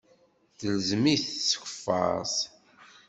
Telzem-it tkeffart.